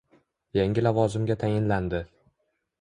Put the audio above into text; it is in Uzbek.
Yangi lavozimga tayinlandi.